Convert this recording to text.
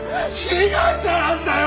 被害者なんだよ！